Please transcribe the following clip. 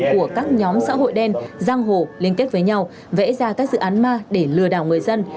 của các nhóm xã hội đen giang hồ liên kết với nhau vẽ ra các dự án ma để lừa đảo người dân